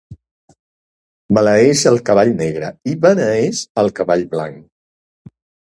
Maleeix el cavall negre i beneeix el cavall blanc.